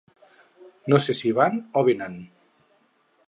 No sé si van o vénen.